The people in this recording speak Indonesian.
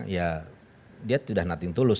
ya dia tidak nothing to lose